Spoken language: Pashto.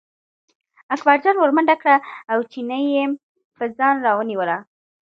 اکبرجان ور منډه کړه او چینی یې په ځان راونیوه.